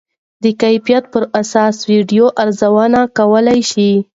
د کیفیت پر اساس ویډیو ارزونه کولی شئ.